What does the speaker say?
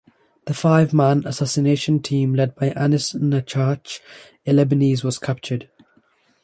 The five-man assassination team led by Anis Naccache, a Lebanese, was captured.